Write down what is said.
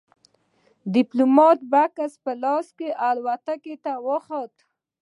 ديپلومات بکس په لاس الوتکې ته وخوت.